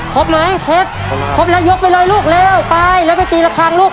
ครบไหมเช็ดครบแล้วยกไปเลยลูกเร็วไปแล้วไปตีละครั้งลูก